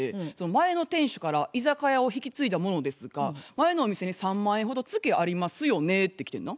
「前の店主から居酒屋を引き継いだ者ですが前のお店に３万円ほどツケありますよね」ってきてんな。